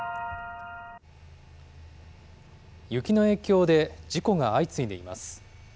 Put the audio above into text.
雪の影響で事故が相次いでいます。